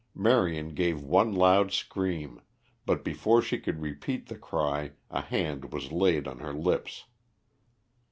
Marion gave one loud scream, but before she could repeat the cry a hand was laid on her lips.